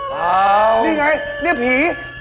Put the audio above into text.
เปล่านี่ไงนี่ผี